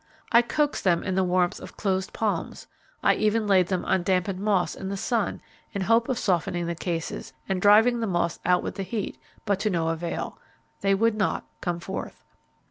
I coaxed them in the warmth of closed palms I even laid them on dampened moss in the sun in the hope of softening the cases, and driving the moths out with the heat, but to no avail. They would not come forth.